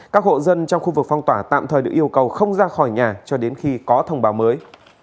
các hộ dân trong khu vực phong tỏa tạm thời được yêu cầu không ra khỏi nhà cho đến khi có thông báo mới